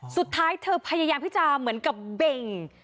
สุดท้ายเธอพยายามที่จะเหมือนกับเบ่ง